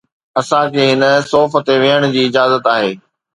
اسان کي هن صوف تي ويهڻ جي اجازت آهي